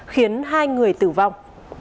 khiến hai người tử vong